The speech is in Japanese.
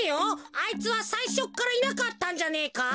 あいつはさいしょからいなかったんじゃねえか？